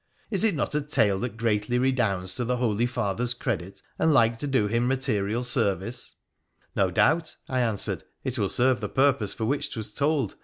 ' Is it not a tale that greatly redounds to the holy father's credit, and like to do him material service ?' 'No doubt,' I answered, 'it will serve the purpose for which 'twas told.